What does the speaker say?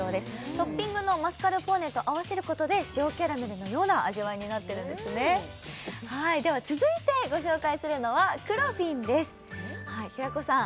トッピングのマスカルポーネと合わせることで塩キャラメルのような味わいになってるんですねでは続いてご紹介するのはクロフィンです平子さん